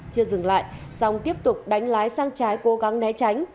chưa dừng lại song tiếp tục đánh lái sang trái cố gắng né tránh